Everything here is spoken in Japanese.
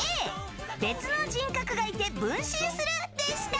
別の人格がいて分身するでした。